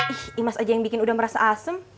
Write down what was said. ih imas aja yang bikin udah merasa asem